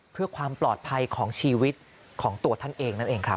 เพื่อความปลอดภัยของชีวิตของตัวท่านเองนั่นเองครับ